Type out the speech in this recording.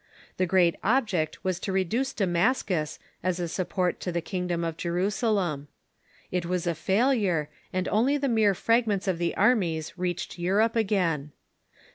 The great object was to reduce Damascus, as a support to the kingdom of Jerusalem. It was a failure, and only the mere fragments of the armies reached Europe again.